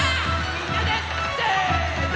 みんなでせの。